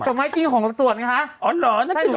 จำไม้ที่จริงของทุกคนค่ะ